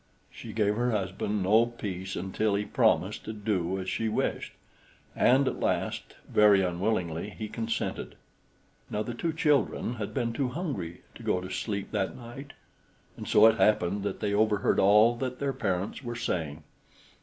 She gave her husband no peace until he promised to do as she wished, and at last, very unwillingly, he consented. Now, the two children had been too hungry to go to sleep that night, and so it happened that they overheard all that their parents were saying.